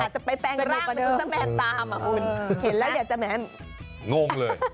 แค่ตามเห็นแล้วอยากจะแหม้งงเลย